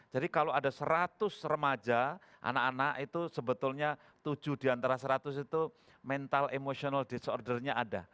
jadi kalau ada seratus remaja anak anak itu sebetulnya tujuh di antara seratus itu mental emotional disordernya ada